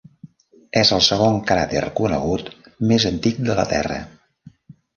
És el segon cràter conegut més antic de la terra.